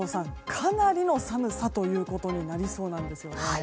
かなりの寒さということになりそうなんですよね。